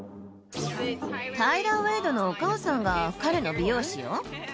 タイラー・ウェイドのお母さんが、彼の美容師よ。